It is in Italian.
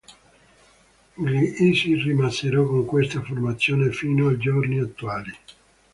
Gli Isis rimasero con questa formazione fino ai giorni attuali.